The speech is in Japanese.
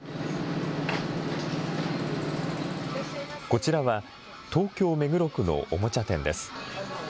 こちらは、東京・目黒区のおもちゃ店です。